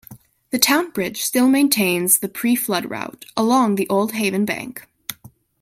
The Town Bridge still maintains the pre-flood route, along the old Haven bank.